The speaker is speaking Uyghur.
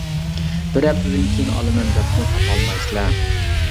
بىر ھەپتىدىن كېيىن ئالىمەن دەپمۇ تاپالمايسىلەر.